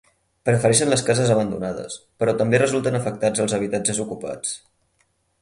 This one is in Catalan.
Prefereixen les cases abandonades, però també resulten afectats els habitatges ocupats.